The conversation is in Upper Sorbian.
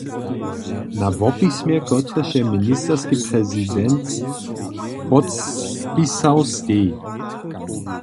Na wopismje, kotrež je ministerski prezident podpisał, steji.